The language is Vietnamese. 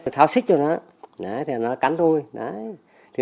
tháo xích cho nó nó cắn thôi